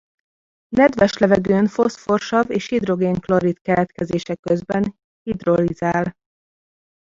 Nedves levegőn foszforsav és hidrogén-klorid keletkezése közben hidrolizál.